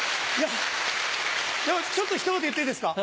ちょっとひと言言っていいですか？